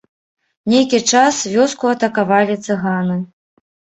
Нейкі час вёску атакавалі цыганы.